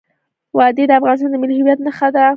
وادي د افغانستان د ملي هویت نښه ده.